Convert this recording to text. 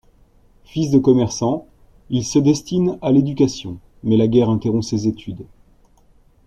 Fils de commerçant, il se destine à l'éducation mais la guerre interrompt ses études.